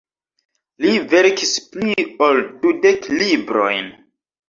Li verkis pli ol dudek librojn.